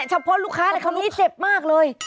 เฉพาะลูกค้าในคราวนี้เจ็บมากเลย